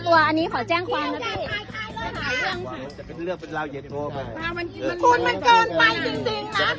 เขาเนี้ยทำอะไรผิดเขาทำอะไรผิดแล้วคุณมาชี้หน้าหรอก